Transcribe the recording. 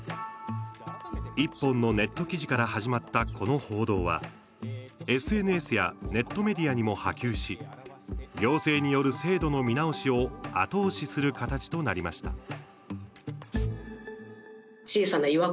１本のネット記事から始まったこの報道は、ＳＮＳやネットメディアにも波及し行政による制度の見直しを後押しする形となりました。